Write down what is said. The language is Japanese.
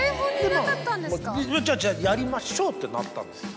まぁじゃあじゃあやりましょうってなったんですよ。